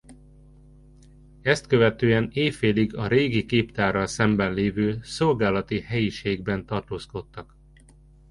Ezt követően éjfélig a régi képtárral szemben levő szolgálati helyiségben tartózkodtak.